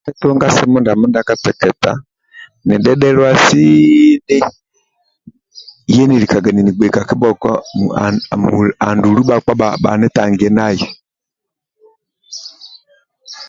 Ndie nitunga simu ndia kateketa nidhedhelua sini yenilikaga ninigbei kakibhoko andulu bhakpa bhanitangie nai